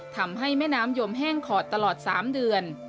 ทำให้แม่น้ำยมแห้งขอดตลอด๓เดือน